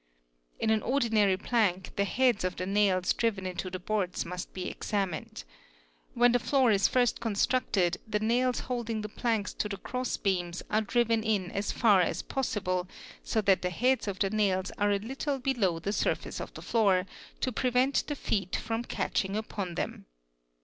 In an ordinary plank, the heads of the nails driven into the boards must be examined. When the floor is first acted the nails holding the planks to the cross beams are driven in as far as possible so that the heads of the nails are a little below the i face of the floor, to prevent the feet from catching upon them.